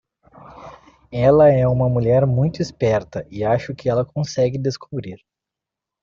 Ela é uma mulher muito esperta, e acho que ela consegue descobrir.